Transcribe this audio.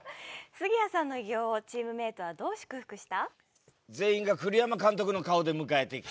杉谷さんの偉業をチームメイトはどう祝福した？